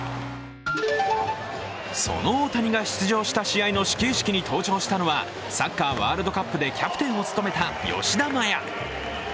その大谷が出場した試合の始球式に登場したのは、サッカーワールドカップでキャプテンを務めた吉田麻也。